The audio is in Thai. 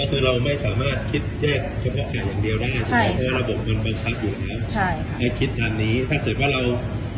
อ๋อคือเราไม่สามารถ